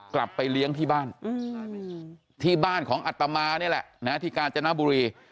กลับไปเลี้ยงที่บ้านที่บ้านของอัตมานี่แหละนะที่กาญจนบุรี